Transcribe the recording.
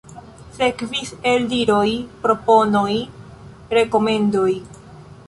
Sekvis eldiroj, proponoj, rekomendoj.